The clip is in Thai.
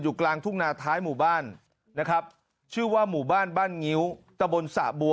กลางทุ่งนาท้ายหมู่บ้านนะครับชื่อว่าหมู่บ้านบ้านงิ้วตะบนสะบัว